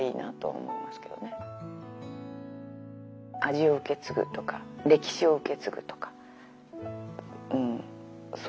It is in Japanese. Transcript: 味を受け継ぐとか歴史を受け継ぐとかそういうことかな。